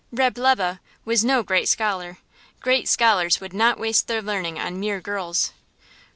Reb' Lebe was no great scholar. Great scholars would not waste their learning on mere girls.